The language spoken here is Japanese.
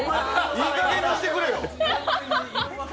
いいかげんにしてくれよ。